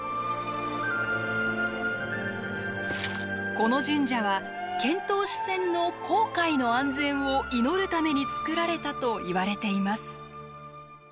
この神社は遣唐使船の航海の安全を祈るために造られたといわれています。